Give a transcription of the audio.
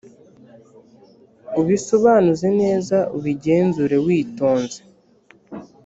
ubisobanuze neza, ubigenzure witonze.